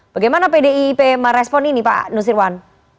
bagaimana pdi pma respon ini pak nusirwan